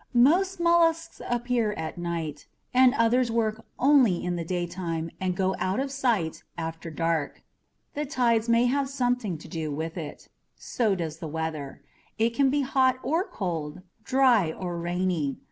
Most mollusks appear at night, but others work only in the daytime and go out of sight after dark. The tides may have something to do with it. So does the weather it can be hot or cold, dry or rainy.